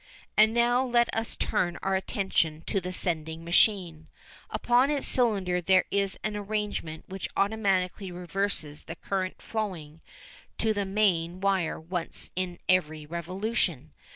And now let us turn our attention to the sending machine. Upon its cylinder there is an arrangement which automatically reverses the current flowing to the main wire once in every revolution.